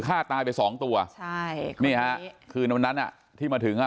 ฆ่าตายไปสองตัวใช่นี่ฮะคืนวันนั้นอ่ะที่มาถึงอ่ะ